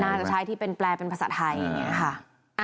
จะใช้ที่เป็นแปลเป็นภาษาไทยอย่างนี้ค่ะ